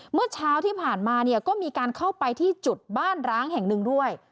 เมื่อเช้าที่ผ่านมาเนี่ยก็มีการเข้าไปที่จุดบ้านร้างแห่งหนึ่งด้วย